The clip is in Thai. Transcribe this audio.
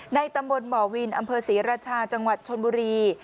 ในตำรวจศพบ่อวินอำเภษีรชาจังหวัดชนบุรี